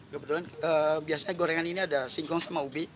kebetulan biasanya gorengan ini ada singkong sama ubi